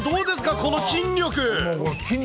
この筋力。